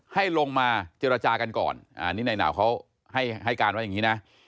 ให้ลงมาเจรจากันก่อนอันนี้นายหนาวเขาให้การว่าอย่างนี้นะ